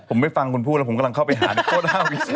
ผมไม่ฟังคุณพูดอะไรผมกำลังเข้าไปหานักโฆษฐ์ห้ามิสัย